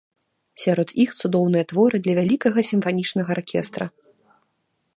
Сярод іх цудоўныя творы для вялікага сімфанічнага аркестра.